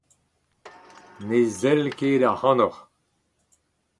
Ne sell ket ac'hanoc'h.